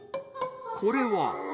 これは。